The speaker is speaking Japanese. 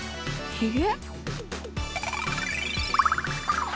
ひげ？